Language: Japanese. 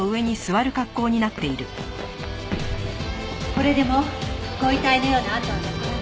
これでもご遺体のような痕は残らない。